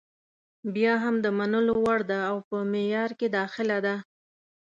بیا هم د منلو وړ ده او په معیار کې داخله ده.